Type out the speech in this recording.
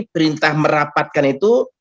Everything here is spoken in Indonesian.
perintah merapatkan itu